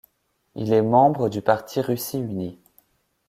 Il est membre du parti Russie Unie.